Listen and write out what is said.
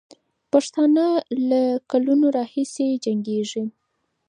پښتانه له کلونو راهیسې جنګېږي.